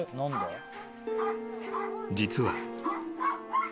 ［実は］